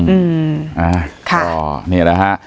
อืมอ่าก็นี่แหละฮะ